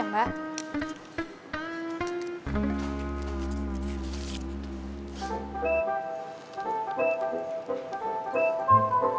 jangan jangan dia tidur di toilet